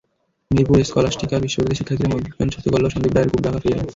Mirpur Scholastica বিদ্যালয়ের শিক্ষার্থীরা মঞ্চস্থ করল সন্দীপ রায়ের গুপী বাঘা ফিরে এলো।